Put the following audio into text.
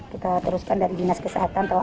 kita teruskan dari dinas kesehatan telah